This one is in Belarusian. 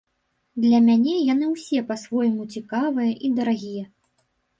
Для мяне яны ўсе па-свойму цікавыя і дарагія.